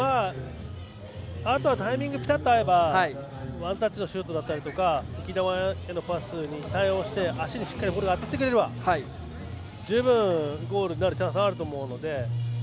あとはタイミングがピタッと合えばワンタッチのシュートであったり浮き球のパスに対応して足にしっかりボールが当たってくれれば十分ゴールチャンスはあると思うので。